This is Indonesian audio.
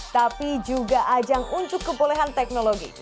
tapi juga ajang untuk kebolehan teknologi